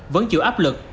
vẫn chịu áp lực